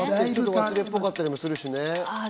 忘れっぽかったりもするしね。